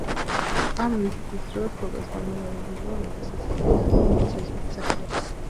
ამ ვიზიტის დროს ბოკასამ და მთავრობის წევრებმა მიიღეს ისლამი და დაირქვეს შესაბამისი სახელები.